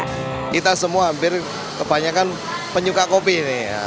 kita semua hampir kebanyakan penyuka kopi ini ya